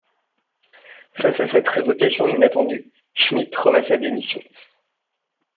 Face à cette révocation inattendue, Schmitt remet sa démission.